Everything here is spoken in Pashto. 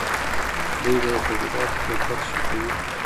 دوی به د تولیداتو کیفیت ښه کوي.